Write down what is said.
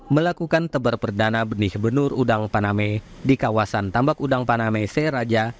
melakukan tebar perdana benih benur udang paname di kawasan tambak udang paname seraja